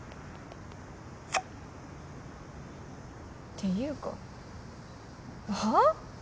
ていうかはあ！？